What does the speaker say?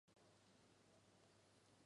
波涛汹涌